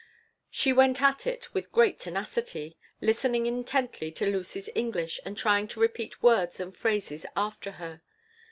She went at it with great tenacity, listening intently to Lucy's English and trying to repeat words and phrases after her.